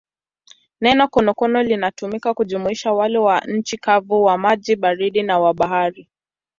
Neno konokono linatumika kujumuisha wale wa nchi kavu, wa maji baridi na wa bahari.